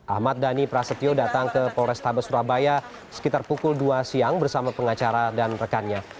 ahmad dhani prasetyo datang ke polrestabes surabaya sekitar pukul dua siang bersama pengacara dan rekannya